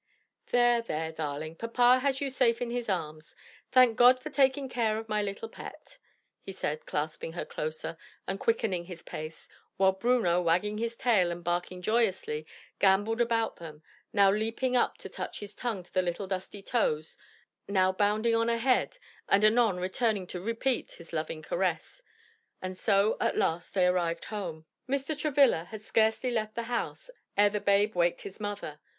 "There, there, darling: papa has you safe in his arms. Thank God for taking care of my little pet," he said, clasping her closer, and quickening his pace, while Bruno wagging his tail and barking joyously, gamboled about them, now leaping up to touch his tongue to the little dusty toes now bounding on ahead, and anon returning to repeat his loving caress; and so at last they arrived at home. Mr. Travilla had scarcely left the house, ere the babe waked his mother.